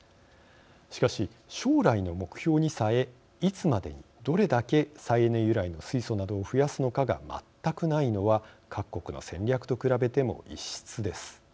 しかし将来の目標にさえいつまでにどれだけ再エネ由来の水素などを増やすのかが全くないのは各国の戦略と比べても異質です。